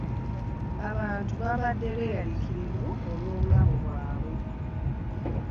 Abantu baabadde beeraliikirivu olw'obulamu bwabwe.